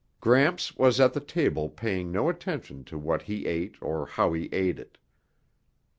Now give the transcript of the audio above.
Gramps was at the table paying no attention to what he ate or how he ate it.